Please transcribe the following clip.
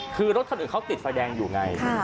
คือรถคันเองเขาติดฝ่าแดงอยู่ไง